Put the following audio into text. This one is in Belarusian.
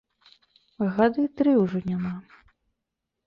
Гады тры ўжо няма.